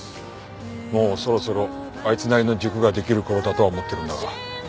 もうそろそろあいつなりの軸が出来る頃だとは思ってるんだが。